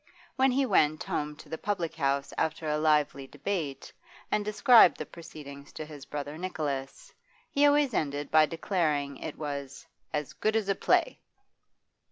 When he went, home to the public house after a lively debate, and described the proceedings to his brother Nicholas, he always ended by declaring that it was 'as good as a play.